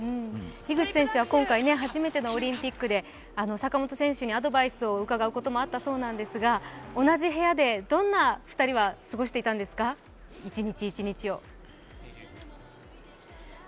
樋口選手は今回初めてのオリンピックで坂本選手にアドバイスを伺うこともあったそうですが、同じ部屋で２人はどう過ごしていたんですか、一日一日を。